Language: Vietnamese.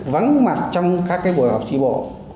vắng mặt trong các cái buổi học trì bộ